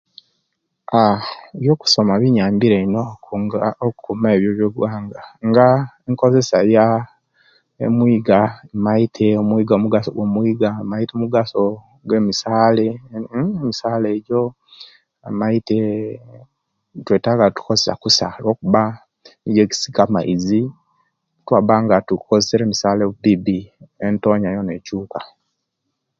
Aah, ebyokusoma binjambire ino okka oku ,kukuma ebyo ebyowuwanga, nga enkozesa ya omwiga , maite omwiiga omugaso gwo'mwiiga, maite omugaso gwe'misaale mmhhh,emisaale egyo maite, twetaaga nitukozesa kusa olwokuba nigyo ejisika amaizi obutwabanga tukozesere emisaale okubiibi, entoonya yena ekyuka .